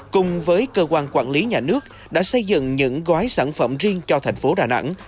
cùng với cơ quan quản lý nhà nước đã xây dựng những gói sản phẩm riêng cho thành phố đà nẵng